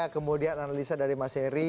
kemudian analisa dari mas heri